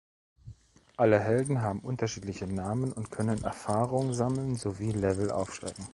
Alle Helden haben unterschiedliche Namen und können Erfahrung sammeln sowie Level aufsteigen.